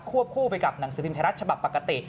คู่ไปกับหนังสือพิมพ์ไทยรัฐฉบับปกติ